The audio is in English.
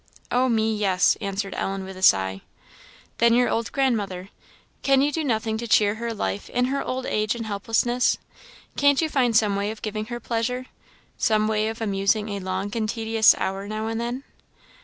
"Oh me, yes!" answered Ellen, with a sigh. "Then your old grandmother. Can you do nothing to cheer her life in her old age and helplessness? can't you find some way of giving her pleasure some way of amusing a long and tedious hour, now and then?"